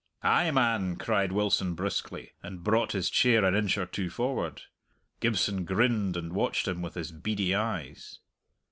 "Ay, man!" cried Wilson briskly, and brought his chair an inch or two forward. Gibson grinned and watched him with his beady eyes.